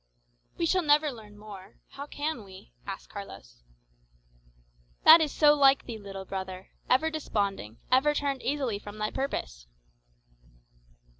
"We shall never learn more. How can we?" asked Carlos. "That is so like thee, little brother. Ever desponding, ever turned easily from thy purpose."